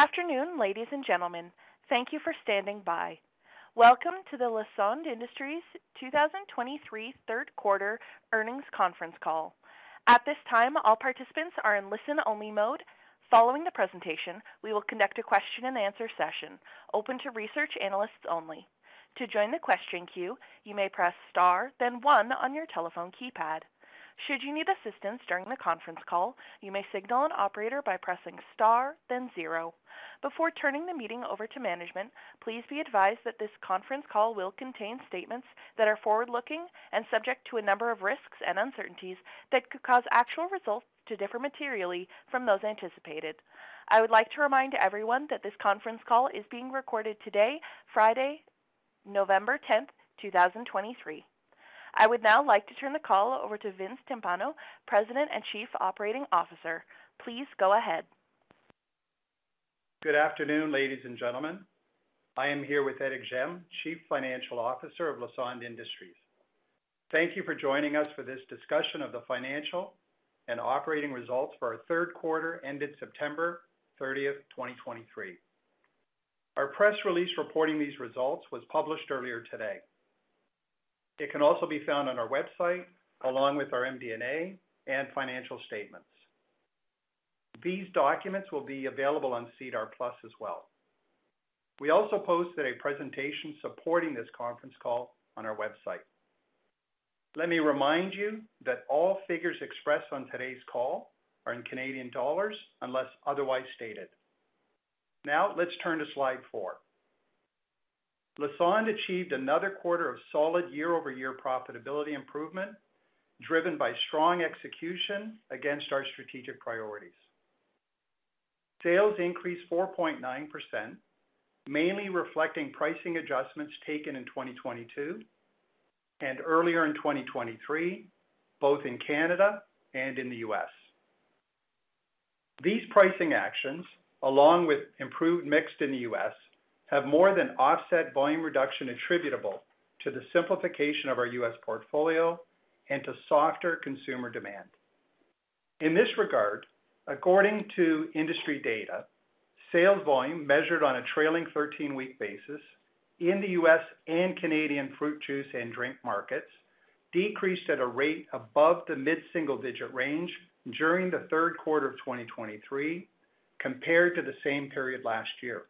Afternoon, ladies and gentlemen. Thank you for standing by. Welcome to the Lassonde Industries' 2023 third quarter earnings conference call. At this time, all participants are in listen-only mode. Following the presentation, we will conduct a question and answer session open to research analysts only. To join the question queue, you may press Star, then one on your telephone keypad. Should you need assistance during the conference call, you may signal an operator by pressing Star, then zero. Before turning the meeting over to management, please be advised that this conference call will contain statements that are forward-looking and subject to a number of risks and uncertainties that could cause actual results to differ materially from those anticipated. I would like to remind everyone that this conference call is being recorded today, Friday, November 10, 2023. I would now like to turn the call over to Vince Timpano, President and Chief Operating Officer. Please go ahead. Good afternoon, ladies and gentlemen. I am here with Éric Gemme, Chief Financial Officer of Lassonde Industries. Thank you for joining us for this discussion of the financial and operating results for our third quarter ended September thirtieth, twenty twenty-three. Our press release reporting these results was published earlier today. It can also be found on our website, along with our MD&A and financial statements. These documents will be available on SEDAR+ as well. We also posted a presentation supporting this conference call on our website. Let me remind you that all figures expressed on today's call are in Canadian dollars, unless otherwise stated. Now, let's turn to slide four. Lassonde achieved another quarter of solid year-over-year profitability improvement, driven by strong execution against our strategic priorities. Sales increased 4.9%, mainly reflecting pricing adjustments taken in 2022 and earlier in 2023, both in Canada and in the U.S. These pricing actions, along with improved mix in the U.S., have more than offset volume reduction attributable to the simplification of our U.S. portfolio and to softer consumer demand. In this regard, according to industry data, sales volume measured on a trailing 13-week basis in the U.S. and Canadian fruit, juice, and drink markets decreased at a rate above the mid-single-digit range during the third quarter of 2023, compared to the same period last year.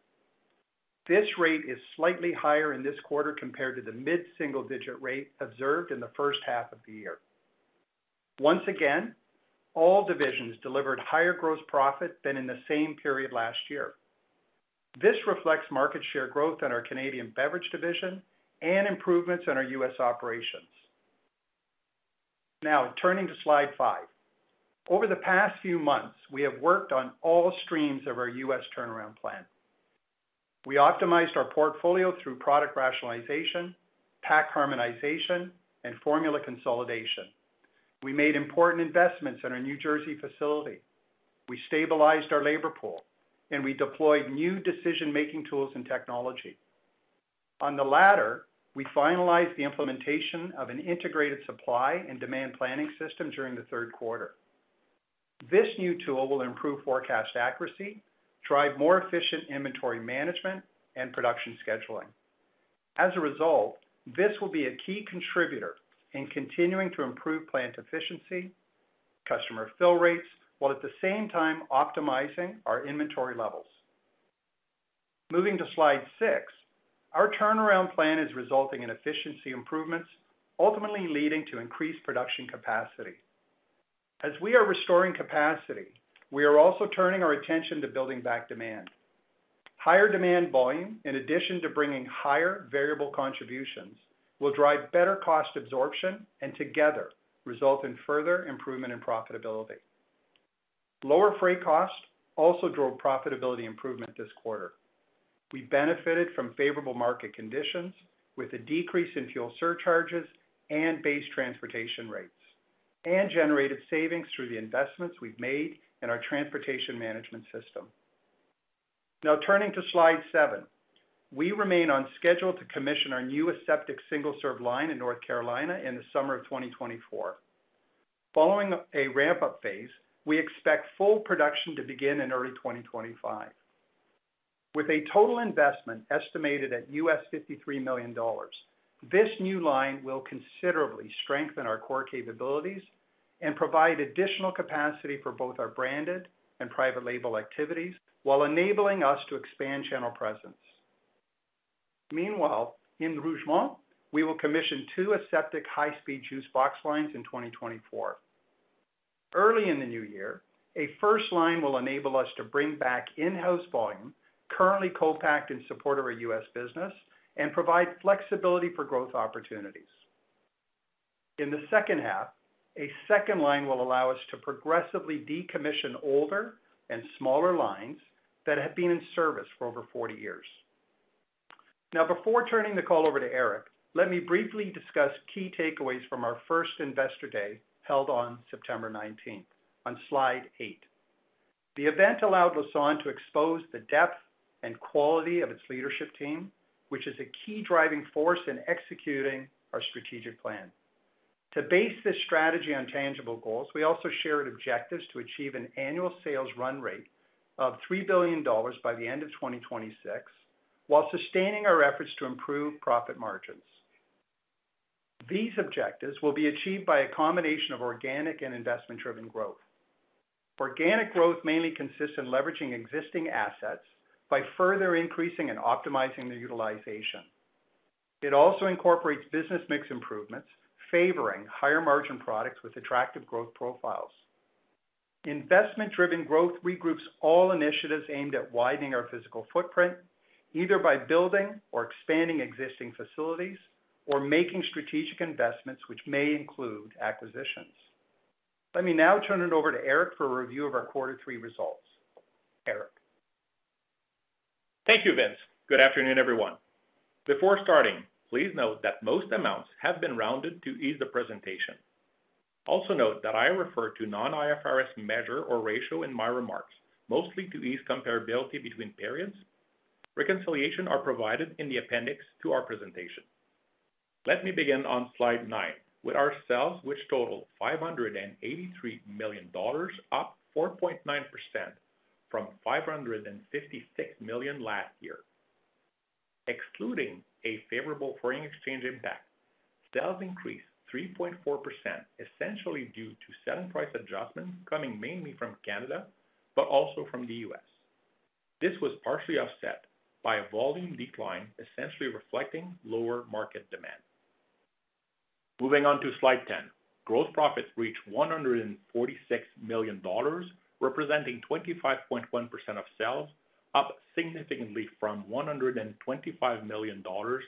This rate is slightly higher in this quarter compared to the mid-single-digit rate observed in the first half of the year. Once again, all divisions delivered higher gross profit than in the same period last year. This reflects market share growth in our Canadian beverage division and improvements in our U.S. operations. Now, turning to slide five. Over the past few months, we have worked on all streams of our U.S. turnaround plan. We optimized our portfolio through product rationalization, pack harmonization, and formula consolidation. We made important investments in our New Jersey facility. We stabilized our labor pool, and we deployed new decision-making tools and technology. On the latter, we finalized the implementation of an integrated supply and demand planning system during the third quarter. This new tool will improve forecast accuracy, drive more efficient inventory management and production scheduling. As a result, this will be a key contributor in continuing to improve plant efficiency, customer fill rates, while at the same time optimizing our inventory levels. Moving to slide six, our turnaround plan is resulting in efficiency improvements, ultimately leading to increased production capacity. As we are restoring capacity, we are also turning our attention to building back demand. Higher demand volume, in addition to bringing higher variable contributions, will drive better cost absorption and together result in further improvement in profitability. Lower freight costs also drove profitability improvement this quarter. We benefited from favorable market conditions with a decrease in fuel surcharges and base transportation rates, and generated savings through the investments we've made in our transportation management system. Now, turning to slide 7. We remain on schedule to commission our new aseptic single-serve line in North Carolina in the summer of 2024. Following a ramp-up phase we expect full production to begin in early 2025. With a total investment estimated at $53 million, this new line will considerably strengthen our core capabilities and provide additional capacity for both our branded and private label activities, while enabling us to expand channel presence. Meanwhile, in Rougemont, we will commission 2 aseptic high-speed juice box lines in 2024. Early in the new year, a first line will enable us to bring back in-house volume, currently co-packed in support of our U.S. business, and provide flexibility for growth opportunities. In the second half, a second line will allow us to progressively decommission older and smaller lines that have been in service for over 40 years. Now, before turning the call over to Éric, let me briefly discuss key takeaways from our first Investor Day held on September 19th, on slide 8. The event allowed Lassonde to expose the depth and quality of its leadership team, which is a key driving force in executing our strategic plan. To base this strategy on tangible goals, we also shared objectives to achieve an annual sales run rate of 3 billion dollars by the end of 2026, while sustaining our efforts to improve profit margins. These objectives will be achieved by a combination of organic and investment-driven growth. Organic growth mainly consists in leveraging existing assets by further increasing and optimizing the utilization. It also incorporates business mix improvements, favoring higher-margin products with attractive growth profiles. Investment-driven growth regroups all initiatives aimed at widening our physical footprint, either by building or expanding existing facilities, or making strategic investments, which may include acquisitions. Let me now turn it over to Éric for a review of our quarter three results. Éric? Thank you, Vince. Good afternoon, everyone. Before starting, please note that most amounts have been rounded to ease the presentation. Also note that I refer to non-IFRS measure or ratio in my remarks, mostly to ease comparability between periods. Reconciliations are provided in the appendix to our presentation. Let me begin on slide 9, with our sales, which totaled 583 million dollars, up 4.9% from 556 million last year. Excluding a favorable foreign exchange impact, sales increased 3.4%, essentially due to selling price adjustments coming mainly from Canada, but also from the U.S. This was partially offset by a volume decline, essentially reflecting lower market demand. Moving on to slide 10. Gross profit reached 146 million dollars, representing 25.1% of sales, up significantly from 125 million dollars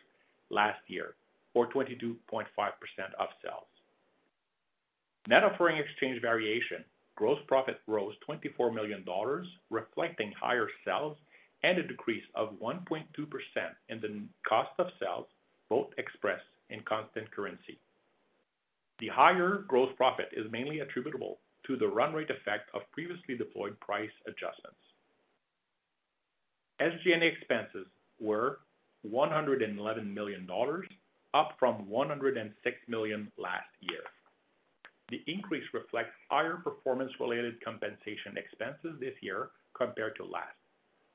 last year, or 22.5% of sales. Net of foreign exchange variation, gross profit rose 24 million dollars, reflecting higher sales and a decrease of 1.2% in the cost of sales, both expressed in constant currency. The higher gross profit is mainly attributable to the run rate effect of previously deployed price adjustments. SG&A expenses were 111 million dollars, up from 106 million last year. The increase reflects higher performance-related compensation expenses this year compared to last,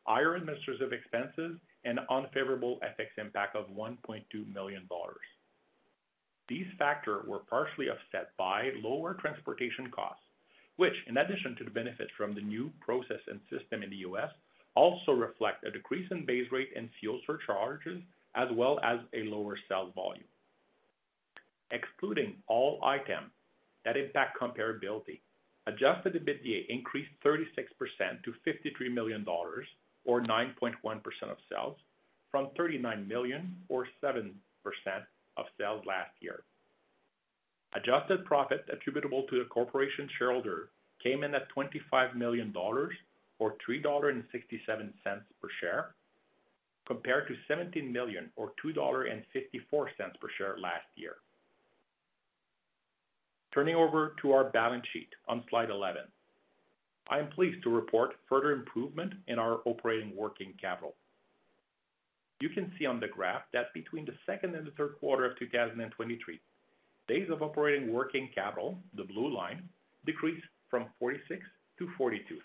higher administrative expenses, and unfavorable FX impact of 1.2 million dollars. These factors were partially offset by lower transportation costs, which, in addition to the benefit from the new process and system in the U.S., also reflect a decrease in base rate and fuel surcharges, as well as a lower sales volume. Excluding all items that impact comparability, Adjusted EBITDA increased 36% to 53 million dollars, or 9.1% of sales, from 39 million or 7% of sales last year. Adjusted profit attributable to the corporation shareholder came in at 25 million dollars, or 3.67 dollar per share, compared to 17 million or 2.54 dollar per share last year. Turning over to our balance sheet on slide 11. I am pleased to report further improvement in our operating working capital. You can see on the graph that between the second and the third quarter of 2023, days of operating working capital, the blue line, decreased from 46 to 42.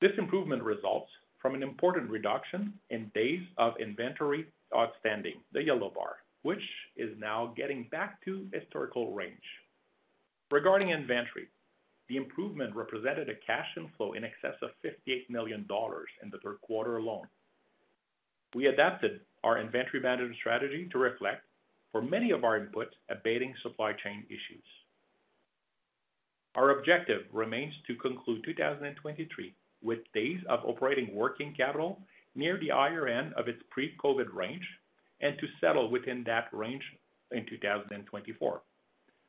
This improvement results from an important reduction in days of inventory outstanding, the yellow bar, which is now getting back to historical range. Regarding inventory, the improvement represented a cash inflow in excess of 58 million dollars in the third quarter alone. We adapted our inventory management strategy to reflect, for many of our inputs, abating supply chain issues. Our objective remains to conclude 2023 with days of operating working capital near the higher end of its pre-COVID range, and to settle within that range in 2024.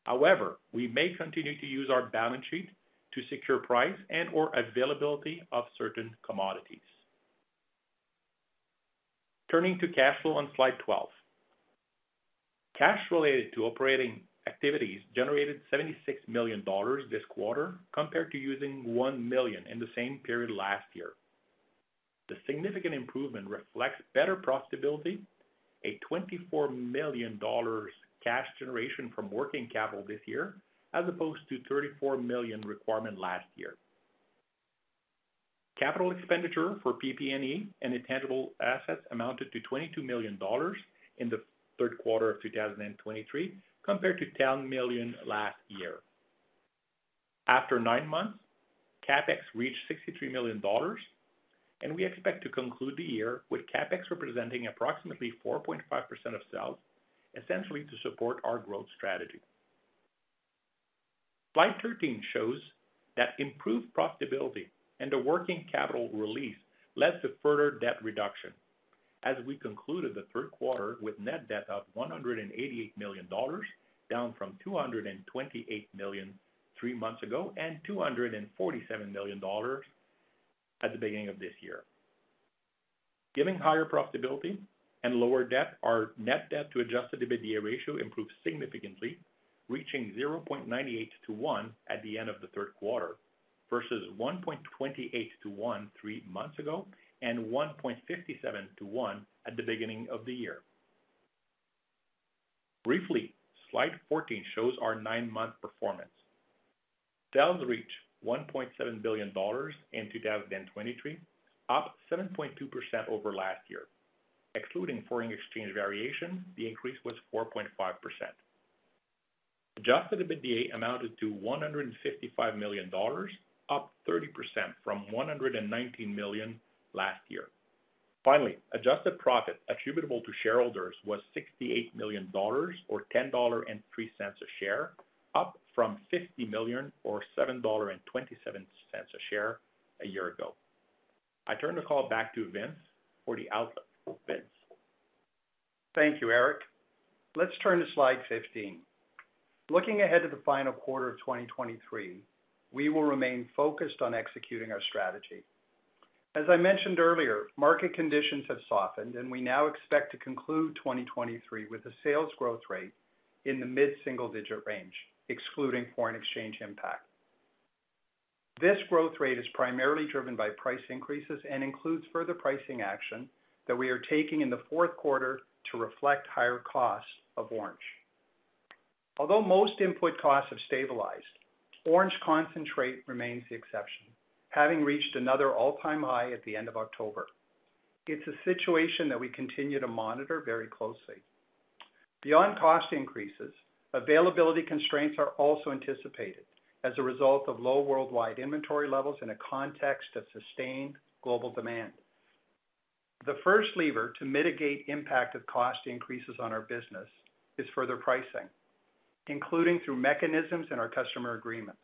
However, we may continue to use our balance sheet to secure price and/or availability of certain commodities. Turning to cash flow on slide 12. Cash related to operating activities generated 76 million dollars this quarter, compared to using 1 million in the same period last year. The significant improvement reflects better profitability, a 24 million dollars cash generation from working capital this year, as opposed to 34 million requirement last year. Capital expenditure for PP&E and intangible assets amounted to 22 million dollars in the third quarter of 2023, compared to 10 million last year. After 9 months, CapEx reached 63 million dollars, and we expect to conclude the year with CapEx representing approximately 4.5% of sales, essentially to support our growth strategy. Slide 13 shows that improved profitability and a working capital release led to further debt reduction, as we concluded the third quarter with net debt of 188 million dollars, down from 228 million three months ago, and 247 million dollars at the beginning of this year. Giving higher profitability and lower debt, our net debt to Adjusted EBITDA ratio improved significantly, reaching 0.98 to 1 at the end of the third quarter versus 1.28 to 1 three months ago, and 1.57 to 1 at the beginning of the year. Briefly, Slide 14 shows our nine-month performance. Sales reached CAD 1.7 billion in 2023, up 7.2% over last year. Excluding foreign exchange variation, the increase was 4.5%. Adjusted EBITDA amounted to 155 million dollars, up 30% from 119 million last year. Finally, adjusted profit attributable to shareholders was 68 million dollars, or 10.03 dollar a share, up from 50 million, or 7.27 dollar a share a year ago. I turn the call back to Vince for the outlook. Vince? Thank you, Éric. Let's turn to slide 15. Looking ahead to the final quarter of 2023, we will remain focused on executing our strategy. As I mentioned earlier, market conditions have softened, and we now expect to conclude 2023 with a sales growth rate in the mid-single digit range, excluding foreign exchange impact. This growth rate is primarily driven by price increases and includes further pricing action that we are taking in the fourth quarter to reflect higher costs of orange. Although most input costs have stabilized, orange concentrate remains the exception, having reached another all-time high at the end of October. It's a situation that we continue to monitor very closely. Beyond cost increases, availability constraints are also anticipated as a result of low worldwide inventory levels in a context of sustained global demand. The first lever to mitigate impact of cost increases on our business is further pricing, including through mechanisms in our customer agreements.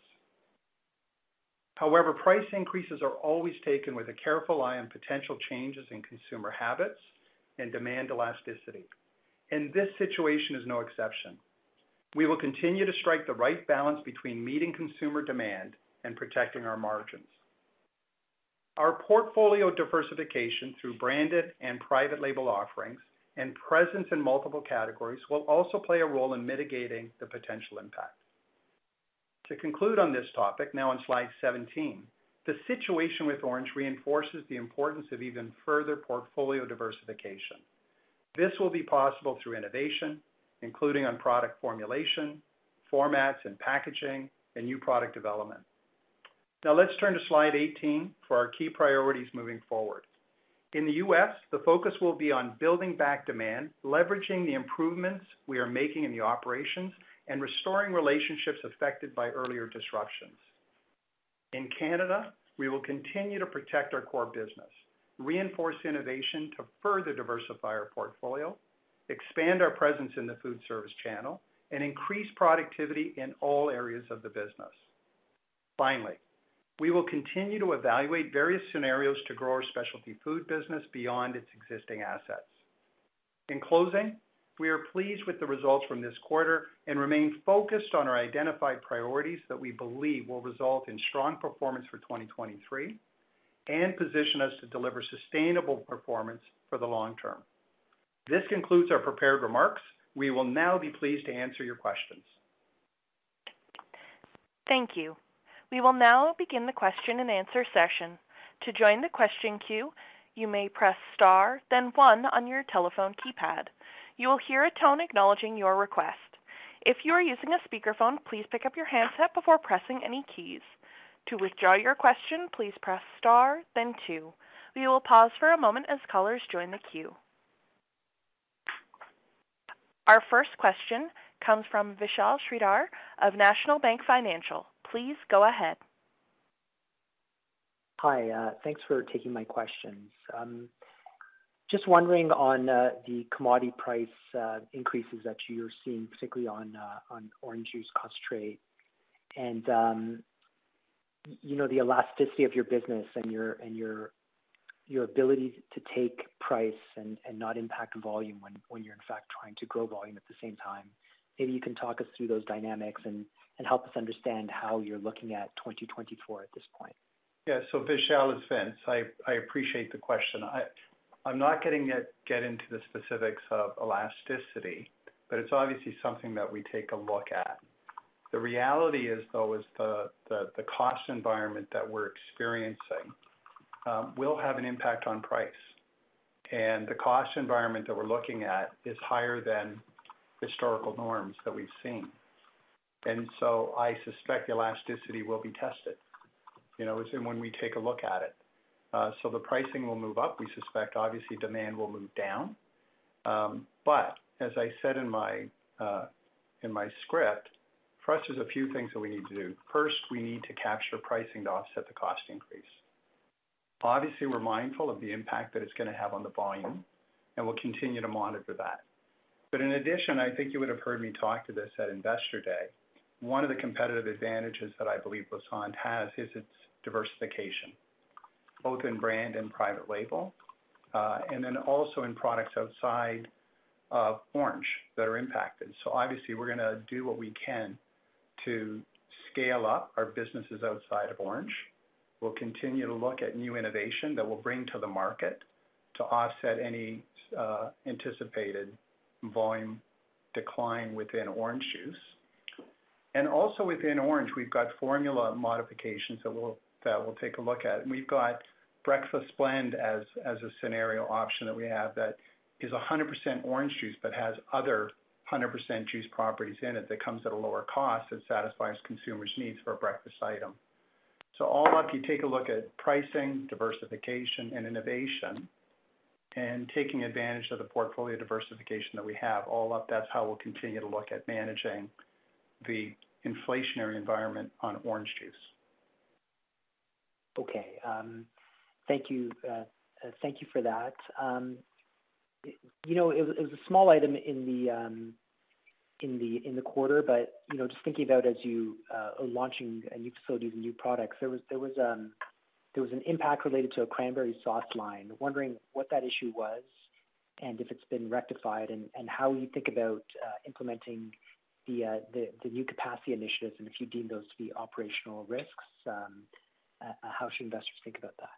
However, price increases are always taken with a careful eye on potential changes in consumer habits and demand elasticity, and this situation is no exception. We will continue to strike the right balance between meeting consumer demand and protecting our margins. Our portfolio diversification through branded and private label offerings and presence in multiple categories will also play a role in mitigating the potential impact. To conclude on this topic, now on slide 17, the situation with orange reinforces the importance of even further portfolio diversification. This will be possible through innovation, including on product formulation, formats and packaging, and new product development. Now let's turn to slide 18 for our key priorities moving forward. In the U.S., the focus will be on building back demand, leveraging the improvements we are making in the operations, and restoring relationships affected by earlier disruptions. In Canada, we will continue to protect our core business, reinforce innovation to further diversify our portfolio, expand our presence in the food service channel, and increase productivity in all areas of the business. Finally, we will continue to evaluate various scenarios to grow our specialty food business beyond its existing assets. In closing, we are pleased with the results from this quarter and remain focused on our identified priorities that we believe will result in strong performance for 2023 and position us to deliver sustainable performance for the long term. This concludes our prepared remarks. We will now be pleased to answer your questions. Thank you. We will now begin the question-and-answer session. To join the question queue, you may press star, then one on your telephone keypad. You will hear a tone acknowledging your request. If you are using a speakerphone, please pick up your handset before pressing any keys. To withdraw your question, please press star, then two. We will pause for a moment as callers join the queue. Our first question comes from Vishal Shreedhar of National Bank Financial. Please go ahead. Hi, thanks for taking my questions. Just wondering on, the commodity price, increases that you're seeing, particularly on, on orange juice concentrate. And, you know, the elasticity of your business and your, and your, your ability to take price and, and not impact volume when, when you're in fact trying to grow volume at the same time. Maybe you can talk us through those dynamics and, and help us understand how you're looking at 2024 at this point. Yeah. So Vishal, it's Vince. I appreciate the question. I'm not going to get into the specifics of elasticity, but it's obviously something that we take a look at. The reality is, though, the cost environment that we're experiencing will have an impact on price, and the cost environment that we're looking at is higher than historical norms that we've seen. And so I suspect elasticity will be tested, you know, as and when we take a look at it. So the pricing will move up. We suspect, obviously, demand will move down. But as I said in my script, for us, there's a few things that we need to do. First, we need to capture pricing to offset the cost increase. Obviously, we're mindful of the impact that it's gonna have on the volume, and we'll continue to monitor that. But in addition, I think you would have heard me talk to this at Investor Day, one of the competitive advantages that I believe Lassonde has is its diversification, both in brand and private label, and then also in products outside of orange that are impacted. So obviously, we're gonna do what we can to scale up our businesses outside of orange. We'll continue to look at new innovation that we'll bring to the market to offset any anticipated volume decline within orange juice. And also within orange, we've got formula modifications that we'll take a look at. We've got breakfast blend as a scenario option that we have that is a 100% orange juice, but has other 100% juice properties in it, that comes at a lower cost, that satisfies consumers' needs for a breakfast item. So all up, you take a look at pricing, diversification, and innovation, and taking advantage of the portfolio diversification that we have. All up, that's how we'll continue to look at managing the inflationary environment on orange juice. Okay, thank you. Thank you for that. You know, it was a small item in the quarter, but, you know, just thinking about as you are launching new facilities and new products, there was an impact related to a cranberry sauce line. Wondering what that issue was, and if it's been rectified, and how you think about implementing the new capacity initiatives, and if you deem those to be operational risks, how should investors think about that?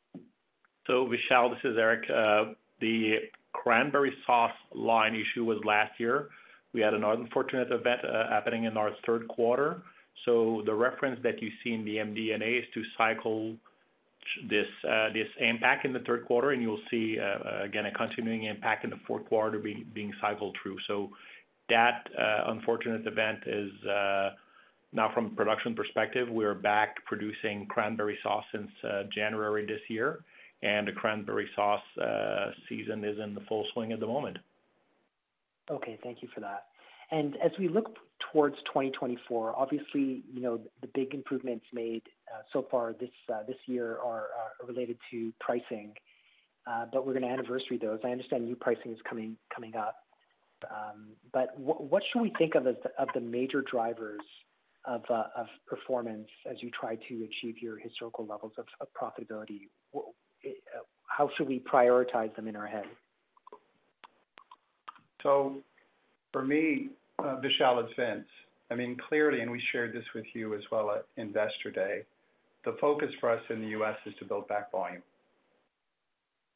So, Vishal, this is Éric. The cranberry sauce line issue was last year. We had an unfortunate event happening in our third quarter. The reference that you see in the MD&A is to cycle this impact in the third quarter, and you'll see again a continuing impact in the fourth quarter being cycled through. That unfortunate event is now from a production perspective, we are back to producing cranberry sauce since January this year, and the cranberry sauce season is in full swing at the moment. Okay, thank you for that. As we look towards 2024, obviously, you know, the big improvements made so far this year are related to pricing, but we're gonna anniversary those. I understand new pricing is coming up. But what should we think of as the major drivers of performance as you try to achieve your historical levels of profitability? How should we prioritize them in our head? So for me, Vishal, it's Vince. I mean, clearly, and we shared this with you as well at Investor Day, the focus for us in the U.S. is to build back volume.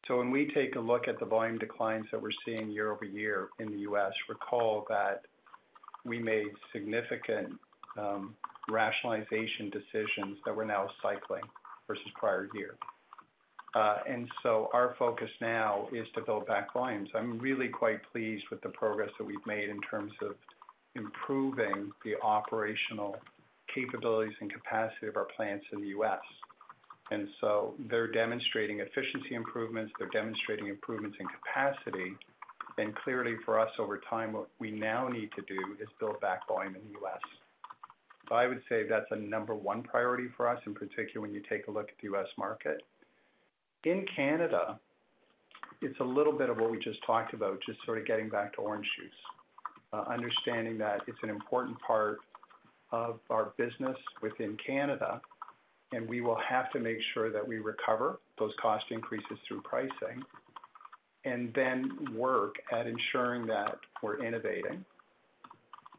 So when we take a look at the volume declines that we're seeing year-over-year in the U.S. recall that we made significant rationalization decisions that we're now cycling versus prior year. And so our focus now is to build back volumes. I'm really quite pleased with the progress that we've made in terms of improving the operational capabilities and capacity of our plants in the US. And so they're demonstrating efficiency improvements, they're demonstrating improvements in capacity, and clearly for us, over time, what we now need to do is build back volume in the U.S. So I would say that's a number one priority for us, in particular, when you take a look at the U.S. market. In Canada, it's a little bit of what we just talked about, just sort of getting back to orange juice. Understanding that it's an important part of our business within Canada, and we will have to make sure that we recover those cost increases through pricing, and then work at ensuring that we're innovating,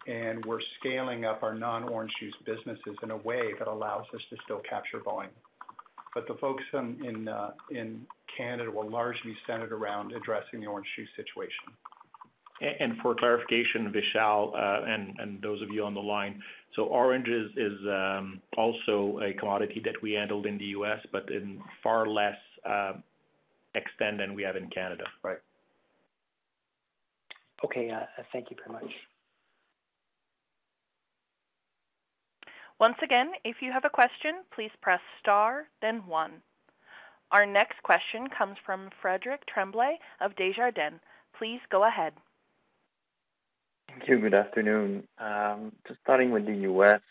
and we're scaling up our non-orange juice businesses in a way that allows us to still capture volume. But the focus on, in, in Canada will largely center around addressing the orange juice situation. For clarification, Vishal, and those of you on the line, so oranges is also a commodity that we handled in the U.S., but in far less extent than we have in Canada right. Okay, thank you very much. Once again, if you have a question, please press Star, then One. Our next question comes from Frédéric Tremblay of Desjardins. Please go ahead. Thank you. Good afternoon. Just starting with the U.S.,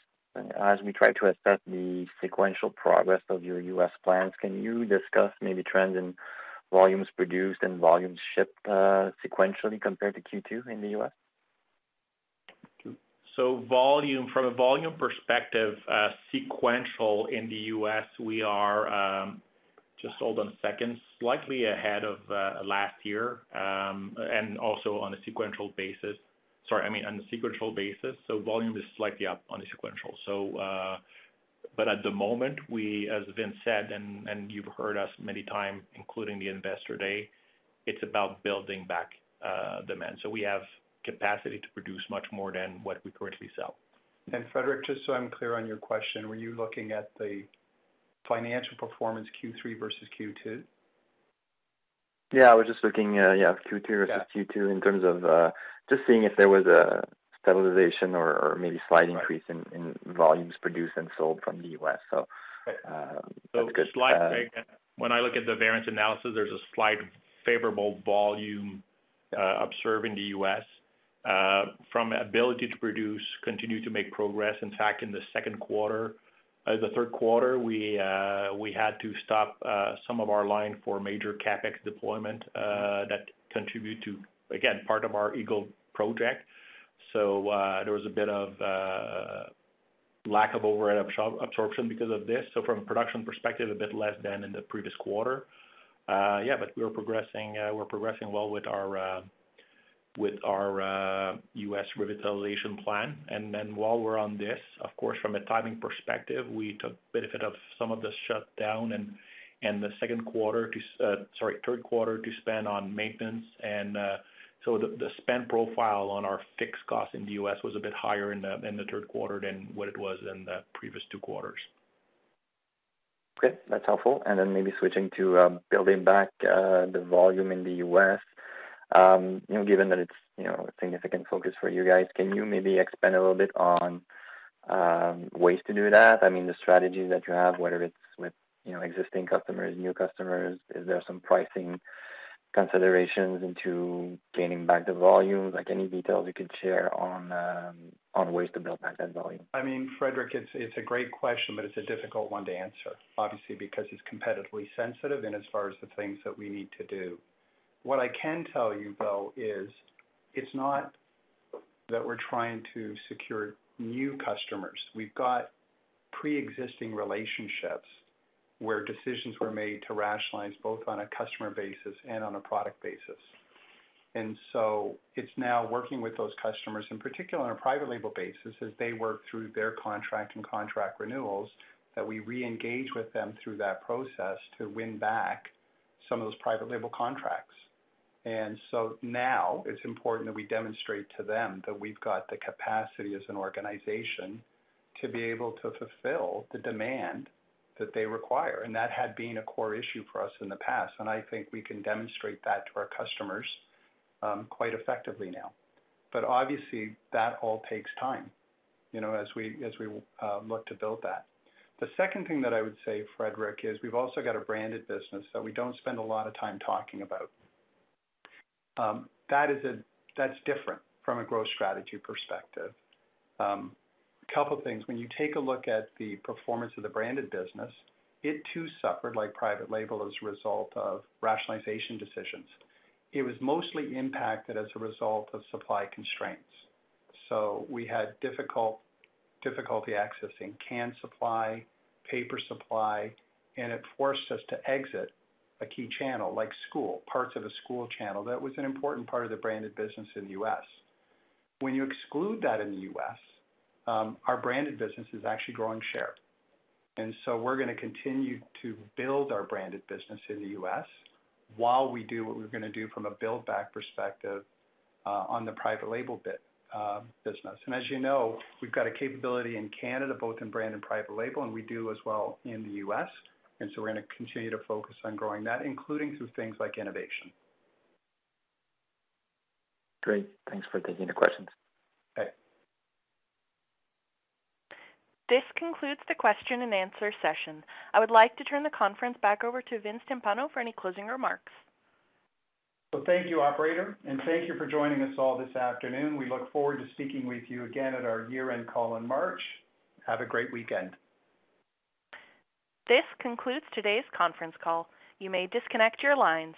as we try to assess the sequential progress of your US plans, can you discuss maybe trends in volumes produced and volumes shipped, sequentially compared to Q2 in the U.S.? So volume, from a volume perspective, sequential in the US, we are, just hold on a second, slightly ahead of last year, and also on a sequential basis. Sorry, I mean, on a sequential basis, so volume is slightly up on the sequential. So, but at the moment, we, as Vince said, and, and you've heard us many times, including the Investor Day, it's about building back demand. So we have capacity to produce much more than what we currently sell. Frédéric, just so I'm clear on your question, were you looking at the financial performance Q3 versus Q2? Yeah, I was just looking, yeah, Q2 versus Q2- Yeah... in terms of, just seeing if there was a stabilization or maybe slight increase- Right... in volumes produced and sold from the U.S. So, because- So slight. When I look at the variance analysis, there's a slight favorable volume observed in the US. From ability to produce, continue to make progress. In fact, in the second quarter, the third quarter, we had to stop some of our line for major CapEx deployment that contribute to, again, part of our Eagle project. So, there was a bit of lack of overhead absorption because of this. So from a production perspective, a bit less than in the previous quarter. Yeah, but we're progressing, we're progressing well with our U.S. revitalization plan. And then while we're on this, of course, from a timing perspective, we took benefit of some of the shutdown and the second quarter to, sorry, third quarter to spend on maintenance. And, so the spend profile on our fixed costs in the U.S. was a bit higher in the third quarter than what it was in the previous two quarters. Okay, that's helpful. And then maybe switching to, building back, the volume in the US. You know, given that it's, you know, a significant focus for you guys, can you maybe expand a little bit on, ways to do that? I mean, the strategies that you have, whether it's with, you know, existing customers, new customers, is there some pricing considerations into gaining back the volume? Like, any details you could share on, on ways to build back that volume? I mean, Frédéric, it's a great question, but it's a difficult one to answer, obviously, because it's competitively sensitive, and as far as the things that we need to do. What I can tell you, though, is it's not that we're trying to secure new customers. We've got pre-existing relationships where decisions were made to rationalize, both on a customer basis and on a product basis. And so it's now working with those customers, in particular on a private label basis, as they work through their contract and contract renewals, that we reengage with them through that process to win back some of those private label contracts. And so now it's important that we demonstrate to them that we've got the capacity as an organization to be able to fulfill the demand that they require. And that had been a core issue for us in the past, and I think we can demonstrate that to our customers, quite effectively now. But obviously, that all takes time, you know, as we look to build that. The second thing that I would say, Frederic, is we've also got a branded business that we don't spend a lot of time talking about. That is a, that's different from a growth strategy perspective. A couple things. When you take a look at the performance of the branded business, it too suffered, like private label, as a result of rationalization decisions. It was mostly impacted as a result of supply constraints. So we had difficulty accessing can supply, paper supply, and it forced us to exit a key channel like school, parts of the school channel. That was an important part of the branded business in the U.S. When you exclude that in the U.S., our branded business is actually growing share. And so we're gonna continue to build our branded business in the U.S. while we do what we're gonna do from a build back perspective, on the private label business. And as you know, we've got a capability in Canada, both in brand and private label, and we do as well in the U.S., and so we're gonna continue to focus on growing that, including through things like innovation. Great. Thanks for taking the questions. Okay. This concludes the question and answer session. I would like to turn the conference back over to Vince Timpano for any closing remarks. Thank you operator and thank you for joining us all this afternoon. We look forward to speaking with you again at our year-end call in March. Have a great weekend. This concludes today's conference call. You may disconnect your lines.